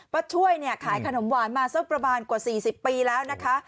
ป้าช่วยเนี่ยขายขนมหวานมาสักประมาณกว่า๔๐ปีแล้วนะคะ